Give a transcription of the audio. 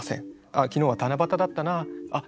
「昨日は七夕だったなあっ